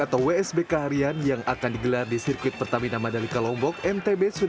untuk ajang balapan yang akan digelar pada sembilan belas hingga dua puluh satu november dua ribu dua puluh satu